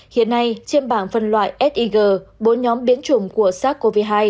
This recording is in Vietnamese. hiện nay trên bảng phân loại sig bốn nhóm biến chủng của sars cov hai